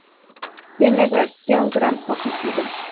Tiene reacción Gram-positiva.